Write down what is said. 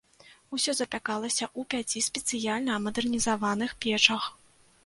Усё запякалася ў пяці спецыяльна мадэрнізаваных печах.